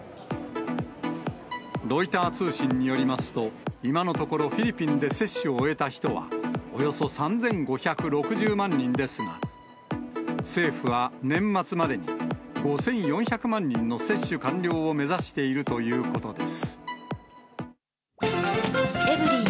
ロイター通信によりますと、今のところ、フィリピンで接種を終えた人は、およそ３５６０万人ですが、政府は年末までに、５４００万人の接種完了を目指しているということです。